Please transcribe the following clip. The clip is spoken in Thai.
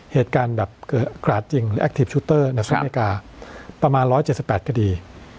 เหตุการณ์แบบเกิดกราศจริงหรือแอคทีฟชุตเตอร์ในสหรัฐอเมริกาครับประมาณร้อยเจ็ดสิบแปดคดี